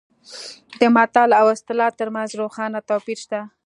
د متل او اصطلاح ترمنځ روښانه توپیر شته